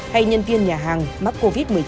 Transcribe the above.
hay nhân viên nhà hàng mắc covid một mươi chín